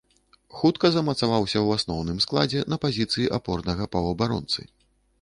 Хутка замацаваўся ў асноўным складзе на пазіцыі апорнага паўабаронцы.